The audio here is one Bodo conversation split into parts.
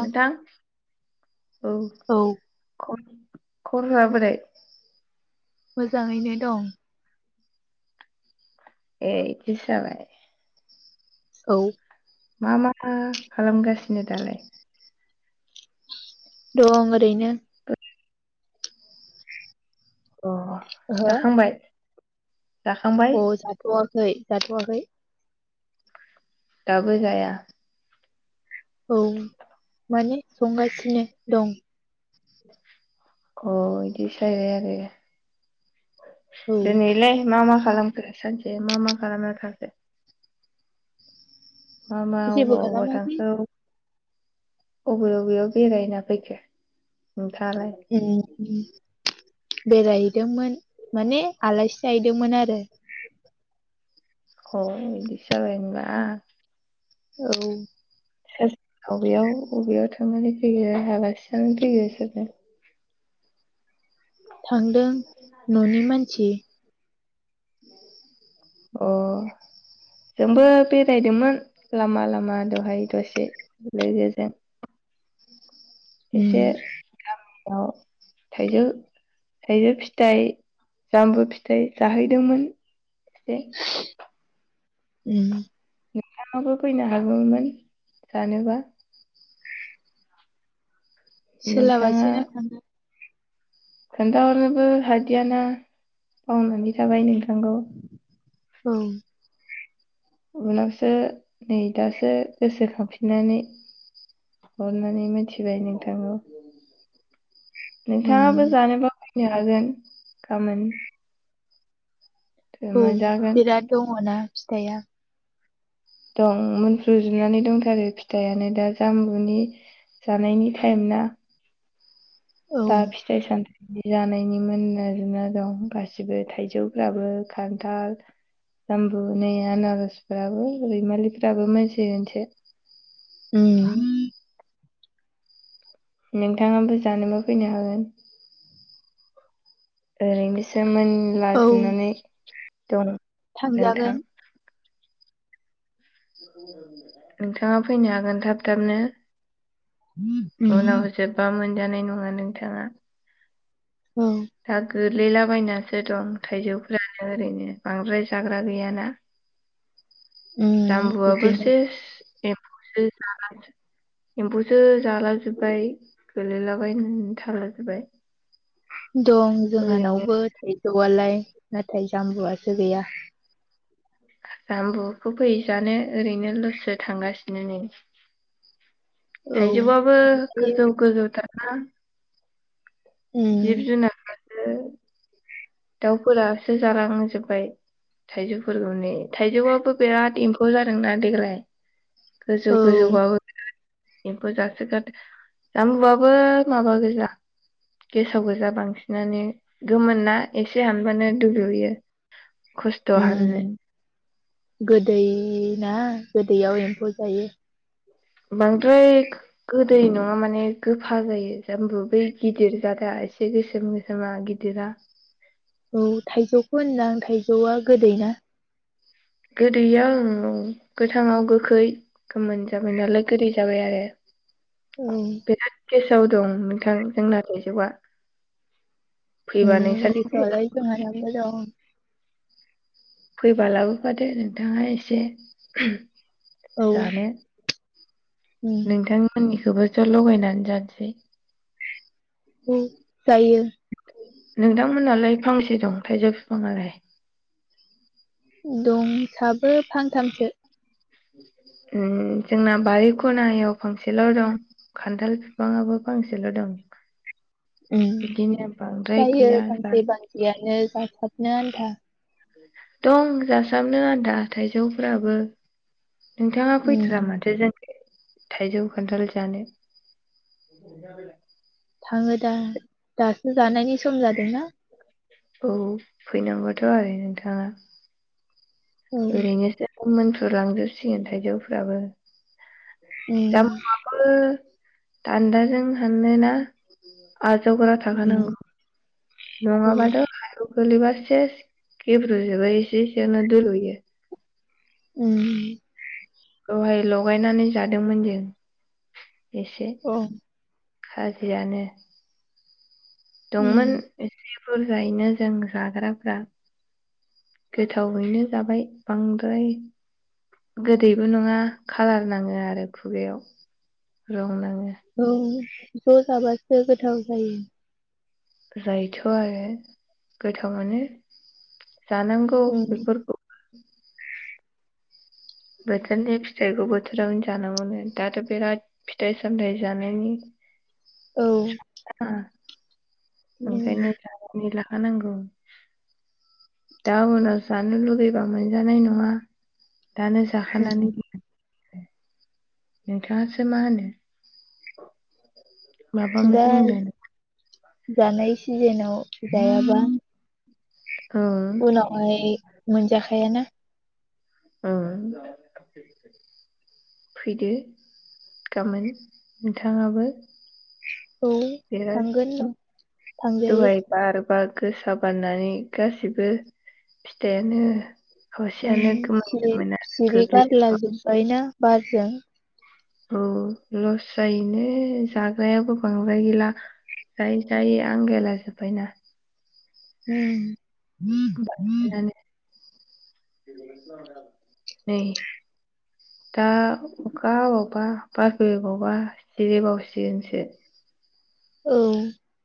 नोंथां औ ख खबरफोरा बोरै मोजाङैनो दं ए इदिसो जाबाय औ मा मा खालामगासिनो दालाय दं' आंरैनो अ जाखांबाय जाखांबाय आ जाथवाखै खै जाथ'वाखै दाबो जाया औ माने संगासिनो दं अ बिदि साय आरो आरो औ दोनोलाय मा मा खालामखो सानसे मा मा खालामना थाखो मा मा अबाव जेबो अबाव खालामाखै थांखो अबे बबेयाव बेरायना फैखो नोंथाङालाय [inaudible] बेरायहैदोंमोन माने आलासि जाहैदोंमोन आरो औ बिदिसो जाबाय होनबा औ सोर बबेयाव बबेयाव थांनानै फैयो आलासि जानो फैयो सोरनो थांदों न'नि मानसि सि अ जोंबो बेरायदोंमोन लामा लामा दहाय दसे लोगोजों उम एसे गा थाइजौ थाइजौ फिथाइ जामबु फिथाइ जाहैदोंमोन एसे उम नोंथांङाबो फैनो हागौमोन जानोबा नोंथाङा सोलाबासैना थांनो खोन्थाहरनोबो हादियाना बावनानै थाबाय नोंथांखौ औ उनावसो नै दासो गोसोखांफिननानै हरनानै मिथिबाय नोंथांखौ उम नोंथाङाबो जानोबा फैनो हागोन गामोन औ बिराद दङना फिथाया दं मफ्रुजुनानै दंथारो फिथाइयानो दा जामबुनि जानायनि टायेम ना औ दा फिथाइ सा जानायनि मोननो आरो ना दं गासिबो थाइजौफ्राबो खान्थाल जामबु नै आनारसफ्राबो रैमालिफ्राबो मोनथिगोनसो उम नोंथाङाबो जानोबा फैनो हागोन ओरैनोसो मोन ला औ जनानै दं नोंथां थांजागोन। नोंथाङा फैनो हागोन थाब थाबनो? [unintelligible] जानाय नङा नोंथाङा। औ [unintelligible] गोरलैलाबायनानसो दं थायजौफोरानो ओरैनो बांद्राय जाग्रा गैयाना उम जाम्बुआबो बिदिनो सेस एम्फौसो जाला जोब्बाय गोलैलाबाय ना थालाजोबबाय। दं जोंहानावबो। गैथ'आलाय नाथाय जाम्बुआसो गैया। जाम्बुखौ फै जानो ओरैनो लसो थांगासिनो नै। औ थाइजौआबो थायो गोजौ गोजौथार। हा? उम जिब जुनारफोर हो? दाउफोरासो जालांजोबबाय थाइजौफोरखौ नै थाइजौआबो बिराद एम्फौ जादोंना देग्लाय। गोजौ औ गोजौ बाबो बिराथ एम्फौ जासोगारदो जामबुआबो माबा गोजा गेसाव गोजा बांसिनानो गोमोन ना एसे हामबानो दुलुयो। खुसथ' हाननो। उम गोदै ना गोदैयाव एम्फौ जायो। बांद्राय गोदै नङा माने गोफा जायो जामबु बै गिदिर जादा एसे गोसोम गोसोमा गिदिरा। औ थाइजौखौ होनदां थाइजौआ गोदैना। गोदैया उम औ, गोथाङाव गोखै गोमोन जाबाय नालाय गोदै जाबाय आरो। औ। बिराद गेसाव दं नोंथां जोंना थाइजौआ। फैबा नोंसोरनिखौ [unintelligible] [unintelligible] फैबालाबोफादो नोंथाङा एसे। औ जानो उम नोंथांमोननि बुरजा लगायनानै जानोसै। उम जायो। नोंथांमोनहालाय फांसे दं थाइजौ बिफांआलाय? दंसाबो फांथामसो ओम जोंना बारि खनायाव फांसेल' दं खान्थाल बिफांआबो फांसेल' दं। ओम बिदिनो बांद्राय जायो गैया जा फांसे फांसेआनो जासाब नो आन्था दं जासाबनो आन्था थाइजौफोराबो। नोंथाङा फैथारा उम माथो जों थाइजौ खान्थाल जानो थाङो दा दासो जानायनि सम जादोंना औ फैनांगौथ' आरो नोंथाङा औ ओरैनो सो मोनफ्रुलांजोबसिगोन थाइजौफ्राबो उम जाम आबो दान्दाजों हानोना आजावग्रा उम थाखानांगौ औ नङाबाथ' गोलैबा सेस गेब्रु जुबो इसे इसेनो आवनो दुलुयो उम दहाय लगायनानै जादोंमोन जों। एसे अ खाजियानो उम दंमोन एसे बुरजायैनो जों जाग्राफ्रा गोथावैनो जाबाय बांद्राय गोदैबो नङा खाालार नाङो आरो खुगायाव रं नाङो औ ज' जाबासो गोथाव जायो। जायोथ' आरो गोथाव माने जानांगौ उम बेफोरखौ [inaudible] बोथोरनि फिथाइखौ बोथोरावनो जानांगौनो दाथ' बिराद फिथाइ सामथायाइ जानायनि औ ओ उम ओंखायनो जानानै ला खानांगौ दा उनाव जानो लुुबैबा मोनजानाय नङा। दानो जाखानानै उम नोंथाङासो मा होनो माबा दा मोनसे बुंदो जानाय सिजेनाव जायाबा [inaudible] उनावहाय मोनजाखायाना। उम फैदो गाबोन नोंथाङाबो। [inaudible] बे थांगोन र' थांजायो द'हाय बार बार गोसा बारनानै गासिबो फिथाइयानो उम खावसेयानो सिरि गोमोनदोंमोन आरो सिरि गोग्लै गारलाजोनबाय ना? बारजों। उम लस जायोनो जाग्रायाबो बांद्राय गैला जायै जायै आंगायला जोब्बायना। उम। [inaudible] बानायनानै नै दा अखा हाबावबा बार फैबावबा सिरिबावसिगोनसो। औ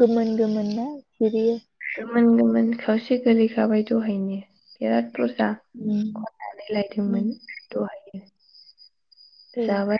गोमोन गोमोन ना सिरियो। गोमोन गोमोन खावसे गोलैखाबाय दहायनो बिराद बुरजा उम खननानै लायदोंमोन दहायो। उम। जाबाय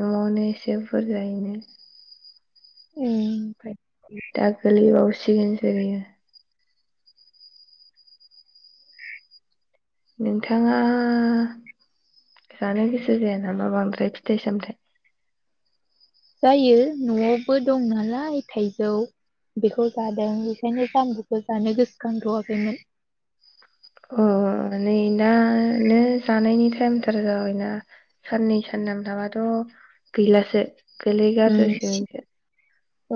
न'आवनो इसे बुरजायैनो उम ओमफाय दा गोलै बावसिगोनसो बियो। नोंथाङा जानो गोसो जाया नामा बांद्राय फिथाइ सामथाइ? जायो न'आवबो दं नालाय थाइजौ बेखौ जादों बेखायनो जानबुखौ जानो गोसोखांथ'वाखैमोन। अ' नै दानो जानायनि टाइमथार जाबायना साननै सानथाम थाबाथ' गैलासो। उम गोलैगारजोबसिगोनसो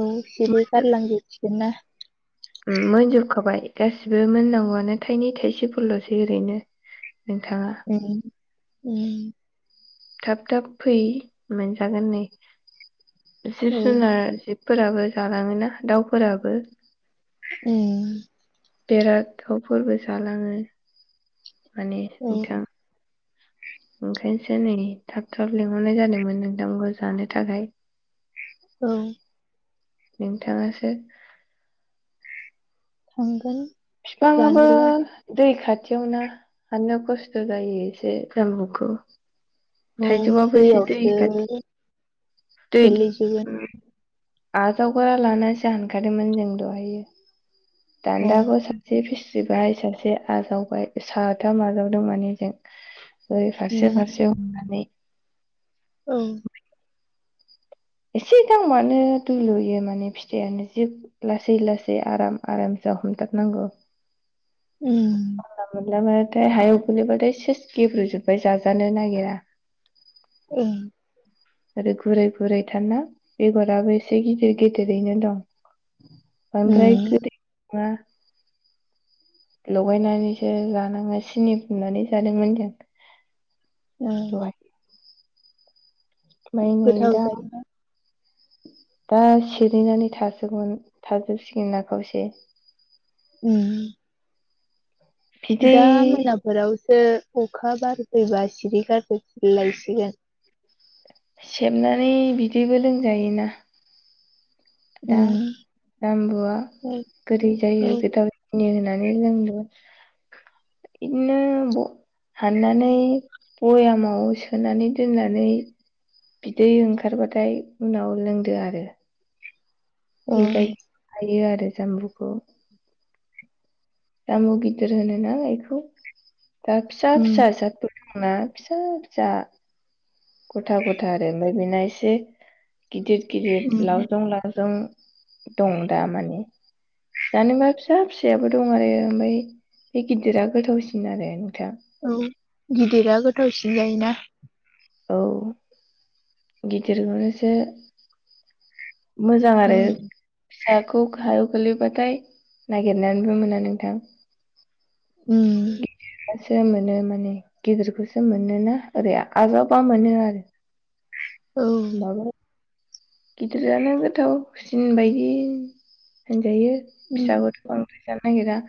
औ सिरिगारलां जोबसि गोन ना। उम मोनजोब खाबाय। गासिबो मोननांगौआनो थाइनै थाइसेफोरल'सै ओरैनो नोंथाङा उम उम थाब थाब फै मोनजागोन नै जिब औ जुनार जिब फोराबो जालांङो ना दाउफोराबो उम बेराद थावफोरबो जालांङो माने औ नोंथां। ओंखायनसो नै थाब थाब लेंंहरनाय जादोंमोन नोंथांखौ जानो थाखाय औ नोंथाङासो थांगोन फिफाङाबो जानोलाय दै खाथ थियावना हाननो खस्थ' जायो एसे जामबुखौ औ थाइजौआबो एसे दै दैआवसो खाथि दै गोलैजुबगोन आजावग्रा लानासो हानखादोंमोन जों दहायो। अ दानदाखौ सासे फिस जिबाय सासे आजावबाय साथाम आजावदों माने जों ओरै फारसे उम फारसे हमनानै औ एसे दांबानो दुलुयो माने फिथाइयानो जि लासै लासै आराम आराम जा हमथाबनांगौ। उम अनला मोनलामोन थाय हायाव गोलैबाथाय सेस गेब्रुजोबबाय जाजानो नागिरा ओम आरो गुरै गुरै थारना बेगराबो एसे गिदिर गिदिरैनो दं बांद्राय उम गोदै मा? लगायनानैसो जानाङो सिनि फुनानै जादोंमोन जों। ओं माय नाय गोथाव दाम जायोना दा सिरिनानै थाजोबगोन थाजोबसिगोन ना खावसे ओम बिदै दा मोना फोराव ओ अखा बार फैबा सिरिगारजोब लायसिगोन सेबनानै बिदैबो लोंजायोना दा उम जामबुआ औ गोदै जायो गोथाव [inaudible] नि होननानै नै जोङो इदिनो ब हाननानै बयामाव सोनानै दोननानै बिदै ओंखारबाथाय उनाव लोंदो आरो। औ बेबायदि थायो आरो। बे जामबुखौ जामु गिदिर होनो ना इखौ? दा फिसा फिसा उम जादफोर दङ' मा फिसा फिसा गथा गथा आरो ओमफाय बेना एसे गिदिर गिदिर लावजं लावजं दं दा माने। जानोबा फिसा फिसायाबो दं आरो ओमफाय बे गिदिरा गोथावसिन आरो। नोंथां औ गिदिरा गोथावसिन जायो। [unintelligible] औ गिदिरखौनोसो मोजां आरो उम फिसाखौ गाहायाव गोलैबाथाय नागिरनानैबो मोना नोंथां। उम सो मोनो माने गिदिरखौसो मोनोना ओरै आजावबा मोनो आरो। औ उम ओमबाबो। गिदिरआनो गोथावसिन बायदि जायो फिसाबाथ बांद्राय जानोनागिरा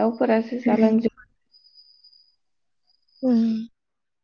दाउफोरासो उम जालांजोब उम